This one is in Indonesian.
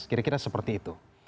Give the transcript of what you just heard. kira kira seperti itu